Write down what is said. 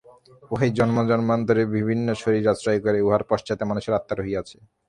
উহাই জন্মজন্মান্তরে বিভিন্ন শরীর আশ্রয় করে, উহার পশ্চাতে মানুষের আত্মা রহিয়াছে।